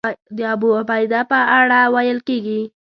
د ابوعبیده په اړه ویل کېږي.